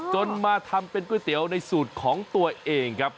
จนมาทำเป็นก๋วยเตี๋ยวในสูตรของตัวเองครับ